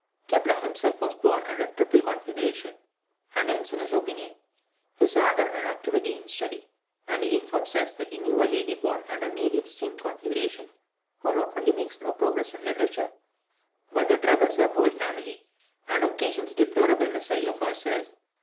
Kepler himself was born under a triple configuration, and hence, in his opinion, his ardour and activity in study; and he informs us that he knew a lady born under nearly the same configurations, "who not only makes no progress in literature, but troubles her whole family and occasions deplorable misery to herself."